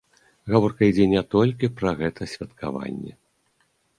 Гаворка ідзе не толькі пра гэта святкаванні.